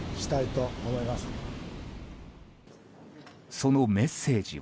そのメッセージは。